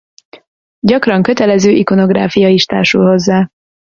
Gyakran kötelező ikonográfia is társul hozzá.